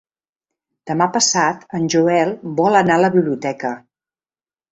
Demà passat en Joel vol anar a la biblioteca.